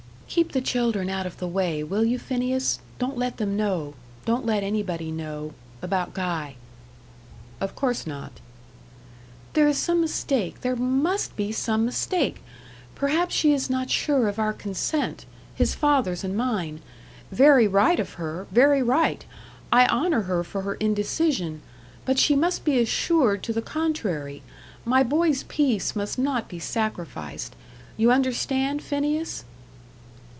"Keep the children out of the way, will you, Phineas? Don't let them know don't let anybody know about Guy." "Of course not." "There is some mistake there MUST be some mistake. Perhaps she is not sure of our consent his father's and mine; very right of her very right! I honour her for her indecision. But she must be assured to the contrary my boy's peace must not be sacrificed. You understand, Phineas?"